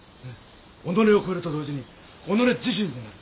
己を超えると同時に己自身になる。